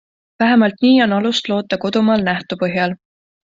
Vähemalt nii on alust loota kodumaal nähtu põhjal.